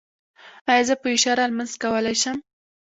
ایا زه په اشاره لمونځ کولی شم؟